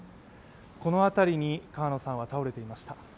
この辺りに川野さんは倒れていました。